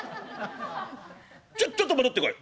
ちょちょっと戻ってこい」。